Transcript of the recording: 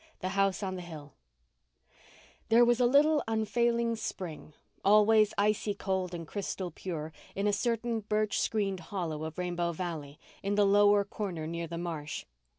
THE HOUSE ON THE HILL There was a little unfailing spring, always icy cold and crystal pure, in a certain birch screened hollow of Rainbow Valley in the lower corner near the marsh.